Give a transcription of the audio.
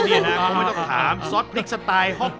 พวกไม่ต้องถามซอสพริกสไตล์ฮอกง